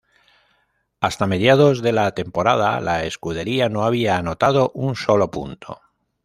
Hasta mediados de la temporada, la escudería no había anotado un solo punto.